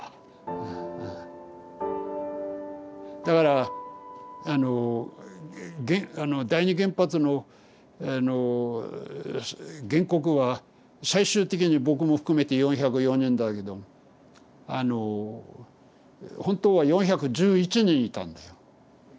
だからあの第二原発の原告は最終的に僕も含めて４０４人だけどあの本当は４１１人いたんです。